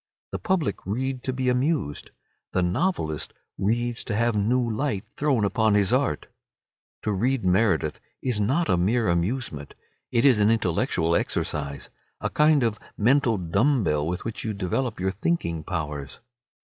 The public read to be amused. The novelist reads to have new light thrown upon his art. To read Meredith is not a mere amusement; it is an intellectual exercise, a kind of mental dumb bell with which you develop your thinking powers.